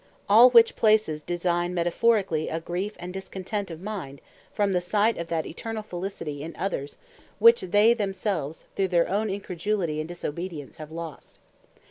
All which places design metaphorically a grief, and discontent of mind, from the sight of that Eternall felicity in others, which they themselves through their own incredulity, and disobedience have lost.